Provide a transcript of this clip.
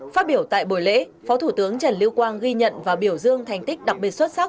phát biểu tại buổi lễ phó thủ tướng trần lưu quang ghi nhận và biểu dương thành tích đặc biệt xuất sắc